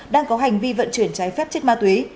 đang có hành vi vận chuyển trái phép chất ma túy